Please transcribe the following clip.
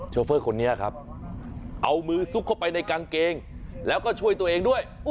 โฟเฟอร์คนนี้ครับเอามือซุกเข้าไปในกางเกงแล้วก็ช่วยตัวเองด้วย